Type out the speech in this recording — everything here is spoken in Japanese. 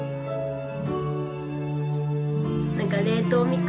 何か冷凍みかんみたい。